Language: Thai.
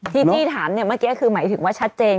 ที่ถามเนี่ยเมื่อกี้คือหมายถึงว่าชัดเจน